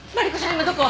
今どこ？